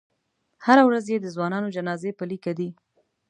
هره ورځ یې د ځوانانو جنازې په لیکه دي.